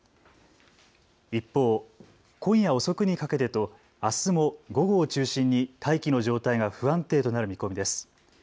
一方、今夜遅くにかけてとあすも午後を中心に大気の状態が不安定となる見込みです。